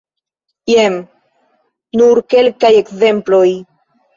Jen nur kelkaj ekzemploj.